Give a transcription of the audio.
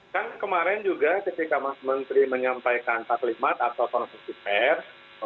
kan kemarin juga ketika mas menteri menyampaikan kak limat atau tuan fusky pers